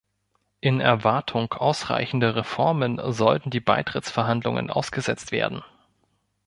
In Erwartung ausreichender Reformen sollten die Beitrittsverhandlungen ausgesetzt werden.